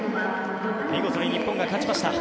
見事に日本が勝ちました。